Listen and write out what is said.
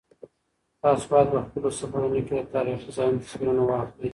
تاسو باید په خپلو سفرونو کې د تاریخي ځایونو تصویرونه واخلئ.